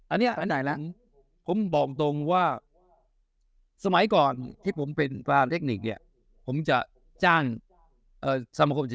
อันอย่างไหนละผมบอกตรงว่าอ่ะสมัยก่อนที่ผมเป็นฟาเทคนิคเนี่ยผมจะจ้างสำคมจะ